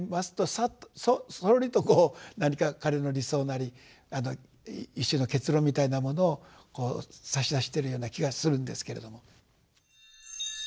さっとそろりとこう何か彼の理想なり一種の結論みたいなものを差し出しているような気がするんですけれども。